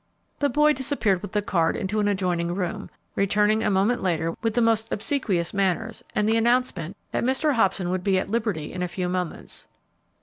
The boy disappeared with the card into an adjoining room, returning a moment later with the most obsequious manners and the announcement that Mr. Hobson would be at liberty in a few moments.